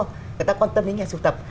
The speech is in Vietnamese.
người ta quan tâm đến nhà siêu tập